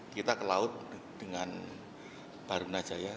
kita ke laut dengan barunajaya